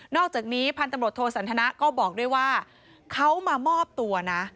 อกจากนี้พันธุ์ตำรวจโทสันทนะก็บอกด้วยว่าเขามามอบตัวนะ